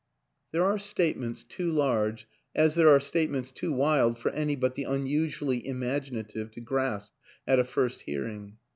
" There are statements too large as there are statements too wild for any but the unusually im aginative to grasp at a first hearing.